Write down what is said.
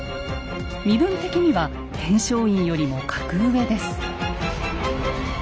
身分的には天璋院よりも格上です。